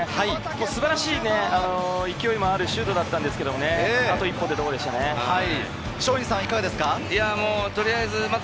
素晴らしい勢いのあるシュートだったんですけどね、あと一歩というところでした。